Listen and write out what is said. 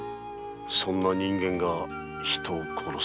そんな人間が人を殺すか。